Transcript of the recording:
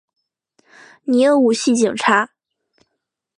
你又唔系警察！